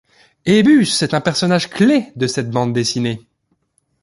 Hébus est un personnage-clé de cette bande dessinée.